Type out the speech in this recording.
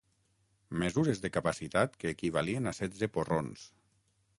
Mesures de capacitat que equivalien a setze porrons.